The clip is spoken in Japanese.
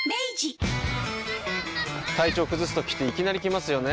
体調崩すときっていきなり来ますよね。